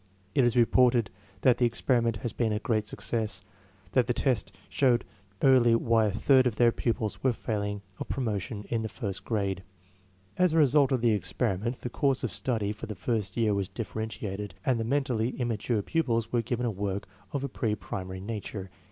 It is re ported that the experiment has been a great success; that the tests showed clearly why a third of their pu pils were f ailing of promotion in the first grade. As a result of the experiment the course of study for the DIFFERENCES IN FIRST GRADE CHILDREN 65 first year was differentiated, and the mentally imma ture pupils were given work of a pre primary nature.